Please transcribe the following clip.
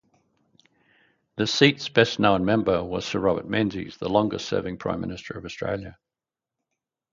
The seat's best-known member was Sir Robert Menzies, the longest-serving Prime Minister of Australia.